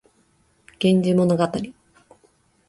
源氏物語